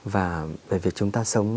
và về việc chúng ta sống